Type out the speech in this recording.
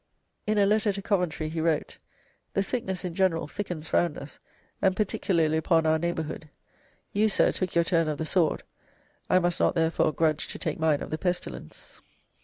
In a letter to Coventry he wrote: "The sickness in general thickens round us, and particularly upon our neighbourhood. You, sir, took your turn of the sword; I must not, therefore, grudge to take mine of the pestilence."